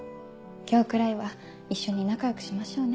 今日くらいは一緒に仲良くしましょうね。